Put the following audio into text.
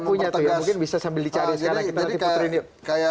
kita punya tuh ya mungkin bisa sambil dicari sekarang kita nanti puterin yuk